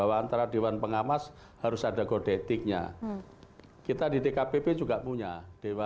untuk kek pun antara dewan pengawas harus ada kode etiknya kita di dkpb juga punya dewan